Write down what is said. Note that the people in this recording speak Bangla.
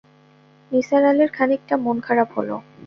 নিসার আলির খানিকটা মন খারাপ হল।